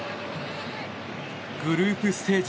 グループステージ